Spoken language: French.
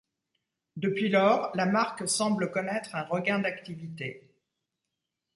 Depuis lors, la marque semble connaître un regain d'activité.